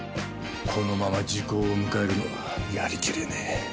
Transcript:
このまま時効を迎えるのはやり切れねえ。